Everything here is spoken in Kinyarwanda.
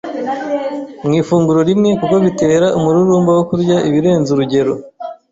mu ifunguro rimwe kuko bitera umururumba wo kurya ibirenze urugero,